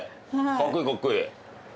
かっこいいかっこいい。